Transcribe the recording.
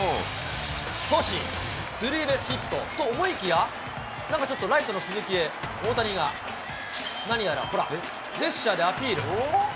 阻止、スリーベースヒットと思いきや、なんかちょっとライトの鈴木へ大谷が、何やらほら、ジェスチャーでアピール。